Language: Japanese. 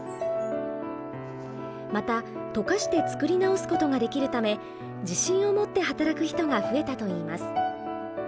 また溶かして作り直すことができるため自信を持って働く人が増えたといいます。